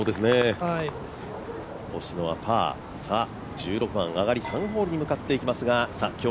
１６番、上がり３ホールに向かっていきますが今日